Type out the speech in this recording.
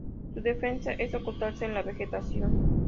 Su defensa es ocultarse en la vegetación.